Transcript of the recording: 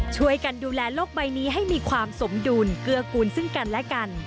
ช่วยกันดูแลโลกใบนี้ให้มีความสมดุลเกื้อกูลซึ่งกันและกัน